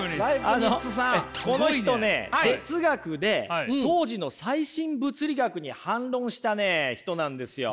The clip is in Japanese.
あのこの人ね哲学で当時の最新物理学に反論したね人なんですよ。